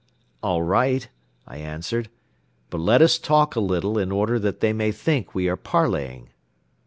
"All right," I answered, "but let us talk a little, in order that they may think we are parleying."